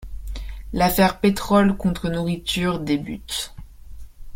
L'Affaire Pétrole contre nourriture débute.